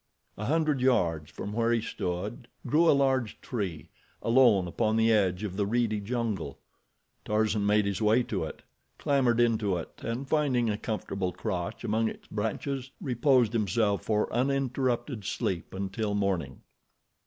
A hundred yards from where he stood grew a large tree, alone upon the edge of the reedy jungle. Tarzan made his way to it, clambered into it, and finding a comfortable crotch among its branches, reposed himself for uninterrupted sleep until morning.